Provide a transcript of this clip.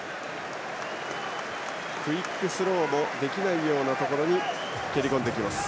クイックスローもできないようなところに蹴りこんでいきました。